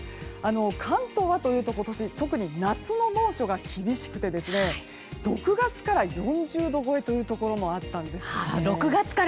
関東はというと、今年特に夏の猛暑が厳しくてですね６月から４０度超えというところもあったんです。